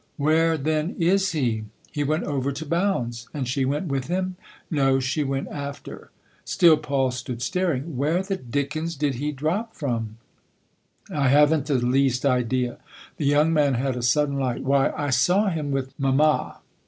" Where then is he ?"" He went over to Bounds." " And she went with him ?"" No, she went after." Still Paul stood staring. "Where the dickens did he drop from ?" THE OTHER HOUSE 235 " I haven't the least idea." The young man had a sudden light. "Why, I saw him with mamma